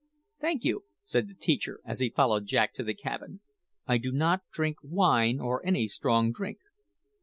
"Thank you," said the teacher as he followed Jack to the cabin; "I do not drink wine or any strong drink."